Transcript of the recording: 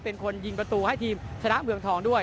เป็นคนยิงประตูให้ทีมชนะเมืองทองด้วย